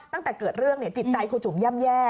ตั้งแต่เกิดเรื่องจิตใจครูจุ๋มย่ำแย่